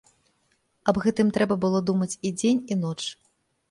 Аб гэтым трэба было думаць і дзень і ноч.